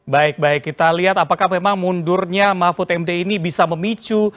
baik baik kita lihat apakah memang mundurnya mahfud md ini bisa memicu